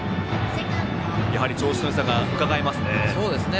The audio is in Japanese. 調子のよさがうかがえますね。